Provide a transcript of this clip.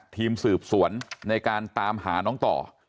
ทีมสืบสวนในการตามหาน้องต่อ